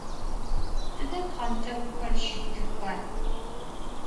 Тыдэ пхъэнтӏэкӏухэр щытыха?